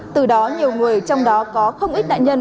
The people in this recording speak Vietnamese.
từ đó nhiều người trong đó có không ít nạn nhân